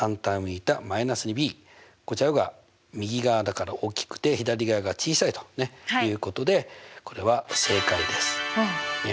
こちらが右側だから大きくて左側が小さいということでこれは正解です。